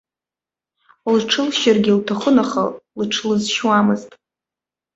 Лҽылшьыргьы лҭахын, аха лыҽлызшьуамызт.